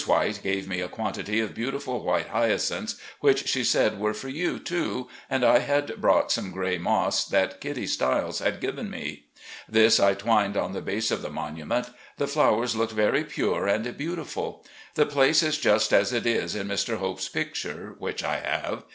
White gave me a quantity of beautiful white hyacinths, which she said were for you, too, and I had brought some gray moss that Kitty Stiles had given me. This I twined on the base of the mon\mient. The flowers looked very pure and beautiful. The place is just as it is in Mr. Hope's picture (which I have).